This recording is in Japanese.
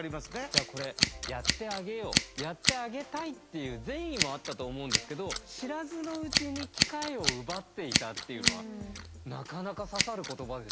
じゃあこれやってあげようやってあげたいっていう善意もあったと思うんですけど知らずのうちに機会を奪っていたっていうのはなかなか刺さる言葉でしたね。